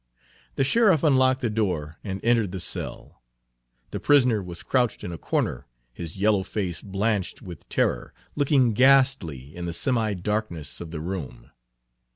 The sheriff unlocked the door and entered the cell. The prisoner was crouched in a corner, his yellow face, blanched with terror, looking ghastly in the semi darkness of the room.